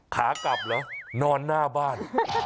ขากลับเหรอนอนหน้าบ้าน